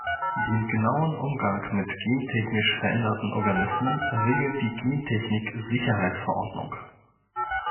Den genauen Umgang mit gentechnisch veränderten Organismen regelt die Gentechnik-Sicherheitsverordnung.